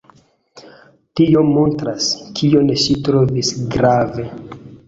Tio montras, kion ŝi trovis grave.